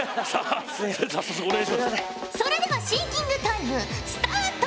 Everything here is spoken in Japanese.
それではシンキングタイムスタート！